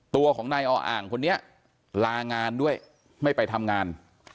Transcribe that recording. ตัวของนายออ่างคนนี้ลางานด้วยไม่ไปทำงาน